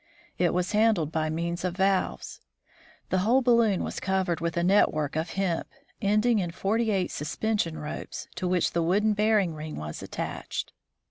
It was handled by means of valves. The whole balloon was covered with a network of hemp, ending in forty eight suspension ropes, to which the wooden bearing ring was attached.